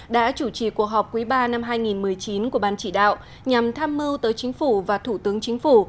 đã chủ trì cuộc họp quý ba năm hai nghìn một mươi chín của ban chỉ đạo nhằm tham mưu tới chính phủ và thủ tướng chính phủ